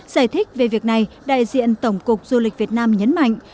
giải thích về việc này đại diện tổng cục du lịch việt nam nhấn mạnh